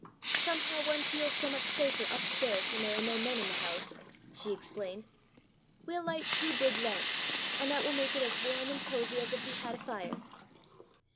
"Somehow one feels so much safer up stairs when there are no men in the house," she explained. "We'll light two big lamps, and that will make it as warm and cosy as if we had a fire."